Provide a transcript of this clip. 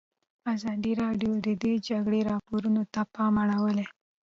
ازادي راډیو د د جګړې راپورونه ته پام اړولی.